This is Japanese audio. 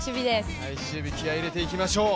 気合い入れていきましょう。